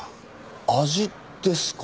味ですか？